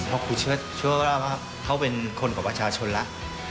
เพราะครูเชื่อว่าเขาเป็นคนของประชาชนแล้ว